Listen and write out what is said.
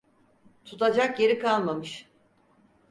Tutacak yeri kalmamış!